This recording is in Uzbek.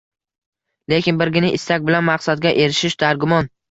Lekin birgina istak bilan maqsadga erishish dargumon